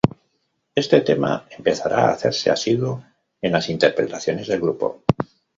Este tema empezará a hacerse asiduo en las interpretaciones del grupo.